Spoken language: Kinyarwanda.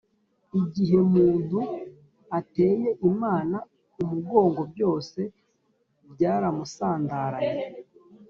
igihe muntu ateye imana umugongo, byose byaramusandaranye